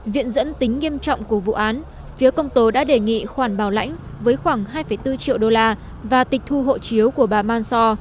viện dẫn tính nghiêm trọng của vụ án phía công tố đã đề nghị khoản bảo lãnh với khoảng hai bốn triệu đô la và tịch thu hộ chiếu của bà mansor